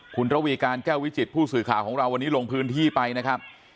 คุณระวีการแก้ววิจิตผู้สื่อข่าวของเราวันนี้ลงพื้นที่ไปนะครับ